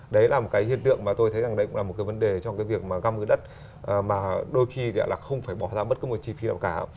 đấy là một hiện tượng mà tôi thấy là một vấn đề trong việc găm dưới đất mà đôi khi không phải bỏ ra bất cứ một chi phí nào cả